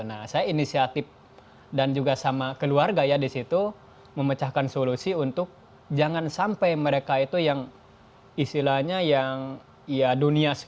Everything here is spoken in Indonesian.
nah saya inisiatif dan juga sama keluarga ya di situ memecahkan solusi untuk jangan sampai mereka itu yang istilahnya yang ya dunia sepak bola